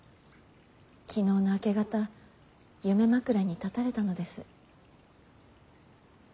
昨日の明け方夢枕に立たれたのです。